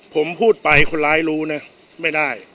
ผมพูดไปคนร้ายรู้นะไม่ได้